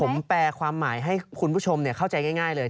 ผมแปลความหมายให้คุณผู้ชมเข้าใจง่ายเลย